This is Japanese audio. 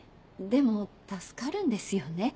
でも助かるんですよね？